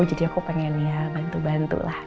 jadi aku pengen ya bantu bantulah